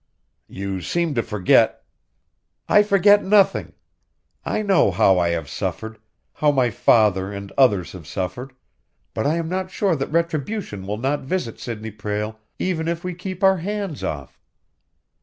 "You seem to forget " "I forget nothing! I know how I have suffered, how my father and others have suffered. But I am not sure that retribution will not visit Sidney Prale even if we keep our hands off."